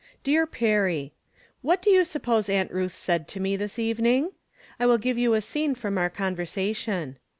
D&ar Perry : What do you suppose Aunt Ruth said to me this eveniag ? I mil give you a scene from oiu: conversation.